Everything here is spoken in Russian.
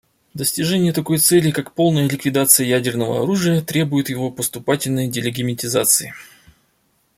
Достижение такой цели, как полная ликвидация ядерного оружия, требует его поступательной делигитимизации.